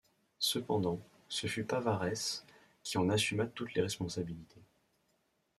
Cependant, ce fut Pavarese qui en assuma toutes les responsabilités.